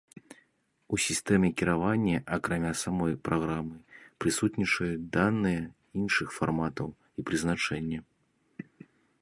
У сістэме кіравання акрамя самой праграмы прысутнічаюць даныя іншых фарматаў і прызначэння.